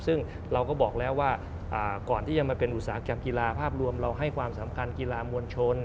ซึ่งเราก็บอกแล้วว่าก่อนที่จะมาเป็นอุตสาหกรรมกีฬาภาพรวมเราให้ความสำคัญกีฬามวลชน